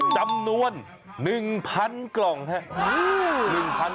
จำนวน๑๐๐๐กล่องครับ